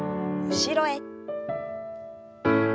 後ろへ。